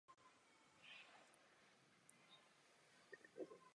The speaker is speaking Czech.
Bitva vypukla kolem jedné hodiny.